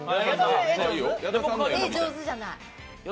絵上手じゃない。